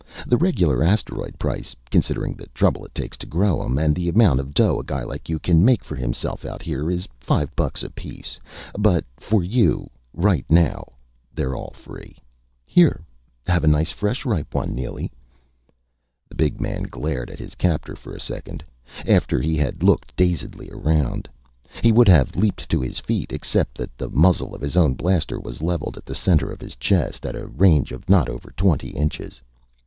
The regular asteroids price considering the trouble it takes to grow 'em, and the amount of dough a guy like you can make for himself out here, is five bucks apiece. But for you, right now, they're all free. Here, have a nice fresh, ripe one, Neely." The big man glared at his captor for a second, after he had looked dazedly around. He would have leaped to his feet except that the muzzle of his own blaster was leveled at the center of his chest, at a range of not over twenty inches.